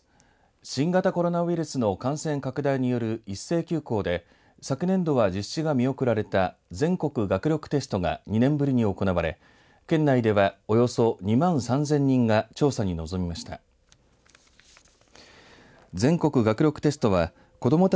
新型コロナウイルスの感染拡大による一斉休校で昨年度は実施が見送られた全国学力テストが２年ぶりに行われ県内ではおよそ２万３０００人が調査に臨みました。